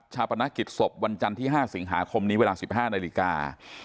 ปนักกิจศพวันจันทร์ที่๕สิงหาคมนี้เวลา๑๕นาฬิกา